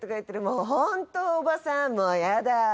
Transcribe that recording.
「もうホントおばさんもうやだ」